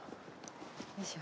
よいしょ。